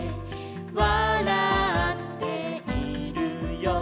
「わらっているよ」